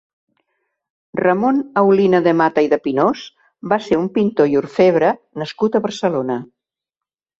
Ramon Aulina de Mata i de Pinós va ser un pintor i orfebre nascut a Barcelona.